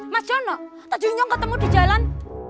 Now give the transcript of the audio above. mas jono tajunnya ketemu di jalan